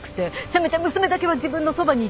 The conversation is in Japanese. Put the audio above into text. せめて娘だけは自分のそばにいてほしくて。